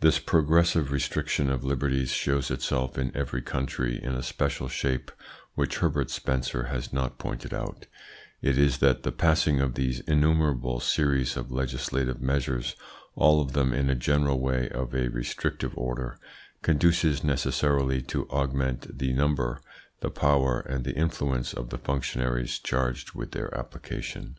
This progressive restriction of liberties shows itself in every country in a special shape which Herbert Spencer has not pointed out; it is that the passing of these innumerable series of legislative measures, all of them in a general way of a restrictive order, conduces necessarily to augment the number, the power, and the influence of the functionaries charged with their application.